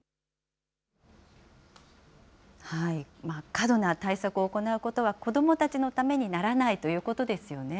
過度な対策を行うことは、子どもたちのためにならないということですよね。